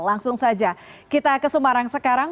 langsung saja kita ke semarang sekarang